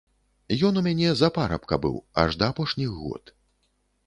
Ён у мяне за парабка быў аж да апошніх год.